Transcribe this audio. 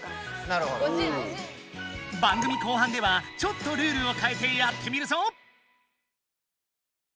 番組後半ではちょっとルールをかえてやってみるぞ！